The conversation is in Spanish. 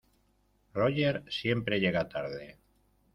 Roger siempre llega tarde.